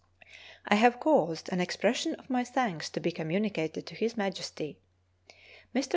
I have caused an expression of my thanks to be communicated to His Majesty. Mr.